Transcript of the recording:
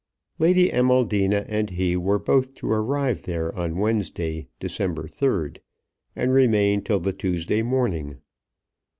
Lady Amaldina and he were both to arrive there on Wednesday, December 3rd, and remain till the Tuesday morning.